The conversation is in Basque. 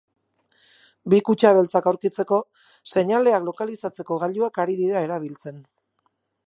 Bi kutxa beltzak aurkitzeko, seinaleak lokalizatzeko gailuak ari dira erabiltzen.